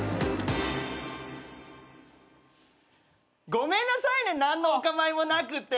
ごめんなさいね何のお構いもなくって。